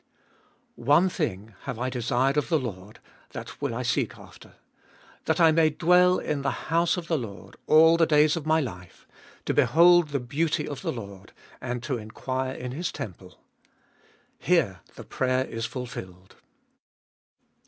7. "One thing have I desired of the Lord, that will I seeh after; that I may dwell in the house of the Lord all the days of my life, to behold the beauty of the Lord, and to enquire in His temple. " Here the prayer is fulfilled.